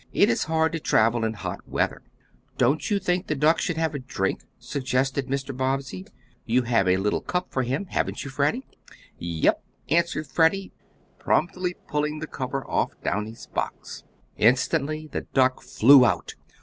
It is hard to travel in hot weather." "Don't you think the duck should have a drink?" suggested Mr. Bobbsey. "You have a little cup for him, haven't you, Freddie?" "Yep!" answered Freddie, promptly, pulling the cover off Downy's box. Instantly the duck flew out!